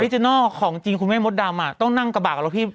ออริเจนอลของจริงคุณแม่มดดำต้องนั่งกระบะหลังพี่พลด